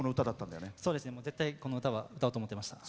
絶対この歌は歌うと思ってました。